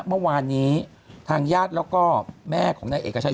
เมื่อวานนี้ทางญาติแล้วก็แม่ของนายเอกชัย